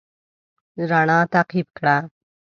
رڼا تعقيب کړه.